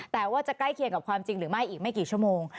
แต่ว่าจะใกล้เคียงกับความจริงหรือไม่อีกไม่กี่ชั่วโมง